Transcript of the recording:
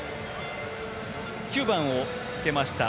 ９番をつけました